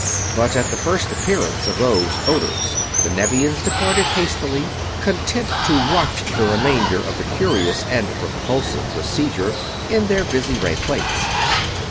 But at the first appearance of those odors the Nevians departed hastily, content to watch the remainder of the curious and repulsive procedure in their visiray plates.